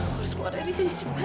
aku harus keluar dari sini sempat